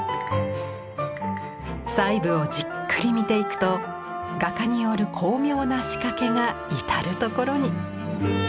細部をじっくり見ていくと画家による巧妙な仕掛けが至る所に。